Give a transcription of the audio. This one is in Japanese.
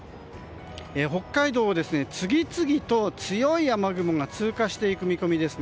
北海道を次々と強い雨雲が通過していく見込みです。